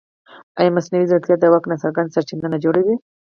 ایا مصنوعي ځیرکتیا د واک ناڅرګند سرچینه نه جوړوي؟